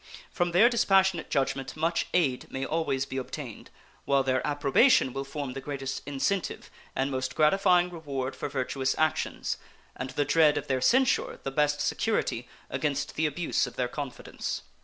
From their dispassionate judgment much aid may always be obtained, while their approbation will form the greatest incentive and most gratifying reward for virtuous actions, and the dread of their censure the best security against the abuse of their confidence.